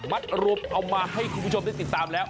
รวมเอามาให้คุณผู้ชมได้ติดตามแล้ว